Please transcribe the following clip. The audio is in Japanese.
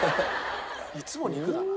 いつも肉だな。